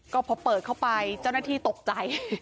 ก็พอเปิดเข้าไปเจ้าหน้าที่ตกใจ